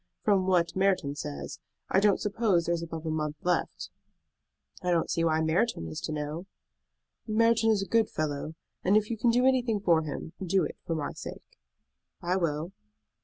From what Merton says, I don't suppose there is above a month left." "I don't see why Merton is to know." "Merton is a good fellow; and if you can do anything for him, do it for my sake." "I will."